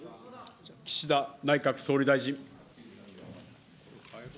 岸田内閣総理大臣。